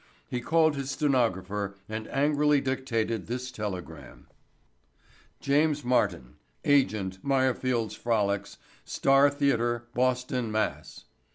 He called his stenographer and angrily dictated this telegram: JAMES MARTIN, AGENT MEYERFIELD'S FROLICS, STAR THEATRE, BOSTON, MASS.